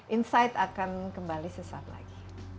insight akan kembali sesaat lagi